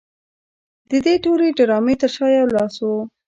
د دې ټولې ډرامې تر شا یو لاس و